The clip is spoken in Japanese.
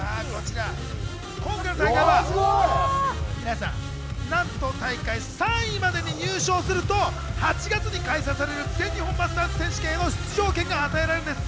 こちら今回の大会は、なんと３位までに入賞すると８月に開催される全日本マスターズ選手権への出場権が与えられるんです。